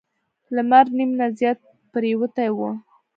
لمر نیم نه زیات پریوتی و.